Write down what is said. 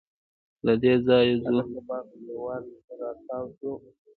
له دې ځايه ځو.